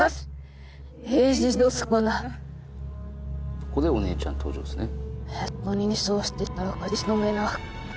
ここでお姉ちゃん登場ですね。